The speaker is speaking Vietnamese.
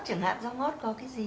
chẳng hạn rau ngót có cái gì